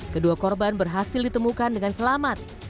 kedua korban berhasil ditemukan dengan selamat